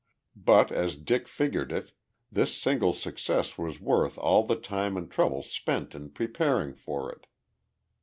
But, as Dick figured it, this single success was worth all the time and trouble spent in preparing for it.